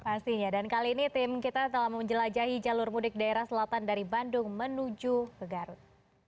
pastinya dan kali ini tim kita telah menjelajahi jalur mudik daerah selatan dari bandung menuju ke garut